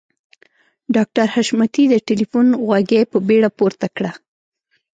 ډاکټر حشمتي د ټليفون غوږۍ په بیړه پورته کړه.